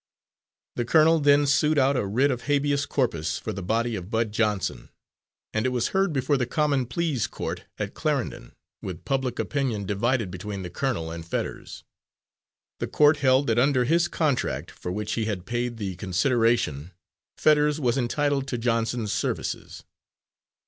The colonel then sued out a writ of habeas corpus for the body of Bud Johnson, and it was heard before the common pleas court at Clarendon, with public opinion divided between the colonel and Fetters. The court held that under his contract, for which he had paid the consideration, Fetters was entitled to Johnson's services.